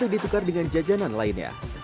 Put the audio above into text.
di yayasan lain